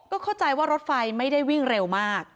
เข้าใจว่ารถไฟไม่ได้วิ่งเร็วมาก